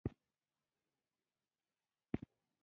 هیله لرو چې په لنډ وخت کې دغه مشکل حل کړو.